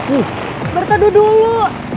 uh berteduh dulu